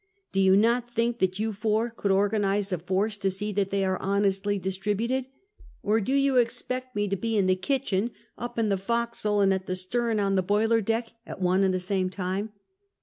Do you not think tliat you four could organize a force to see that they are lionestly distributed — or do you expect me to be in the kitchen, up in the forecastle, and at the stern on the boiler deck, at one and the same time?